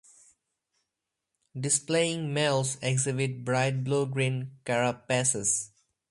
Displaying males exhibit bright blue green carapaces.